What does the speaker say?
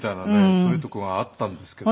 そういうとこがあったんですけども。